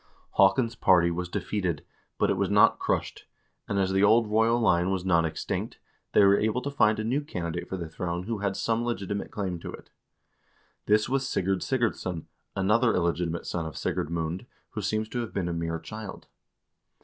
Haakon's party was defeated, but it was not crushed, and as the old royal line was not extinct, they were able to find a new candidate for the throne who had some legitimate claim to it. This was Sigurd Sigurdsson, another illegitimate son of Sigurd Mund, who seems to have been a mere child.